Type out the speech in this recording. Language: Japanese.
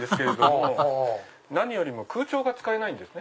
アハハハ何よりも空調が使えないんです。